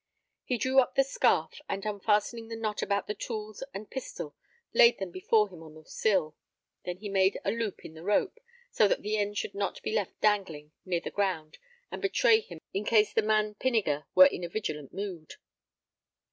He drew up the scarf, and unfastening the knot about the tools and pistol, laid them before him on the sill. Then he made a loop in the rope, so that the end should not be left dangling near the ground and betray him in case the man Pinniger were in a vigilant mood.